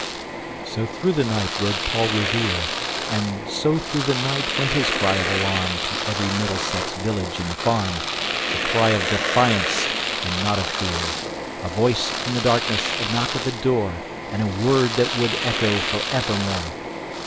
So through the night rode Paul Revere; And so through the night went his cry of alarm To every Middlesex village and farm, ŌĆö A cry of defiance and not of fear, A voice in the darkness, a knock at the door, And a word that shall echo forevermore!